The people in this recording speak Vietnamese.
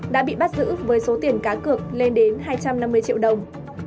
đã bị bắt giữ với số tiền cá cược lên đến hai trăm năm mươi triệu đồng